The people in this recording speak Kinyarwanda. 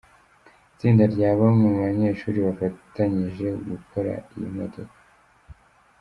Itsinda rya bamwe mu banyeshuri bafatanije gukora iyi modoka.